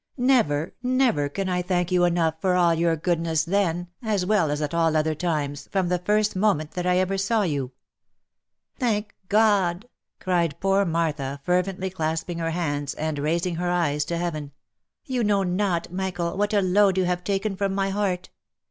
Never, never can I thank you enough for all your goodness then, as well as at all other times, from the very first mo ment that ever I saw you ?"" Thank God !" cried poor Martha, fervently, clasping her hands, and raising her eyes to heaven, " you know not, Michael, what a load you have taken from my heart